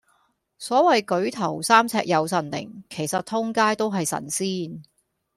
所謂舉頭三尺有神靈，其實通街都係神仙